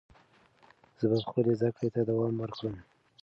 زه به خپلې زده کړې ته دوام ورکړم.